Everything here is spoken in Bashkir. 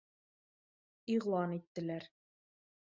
Иғлан иттеләр.